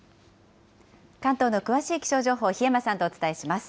関東の詳しい気象情報、檜山さんとお伝えします。